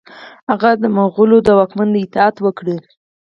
هغه د مغولو د واکمن اطاعت وکړي.